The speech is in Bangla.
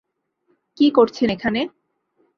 কী করছেন এখানে?